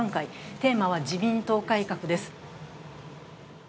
テーマは自民党改革です。